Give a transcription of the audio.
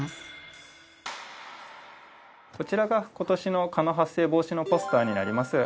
こちらが今年の蚊の発生防止のポスターになります。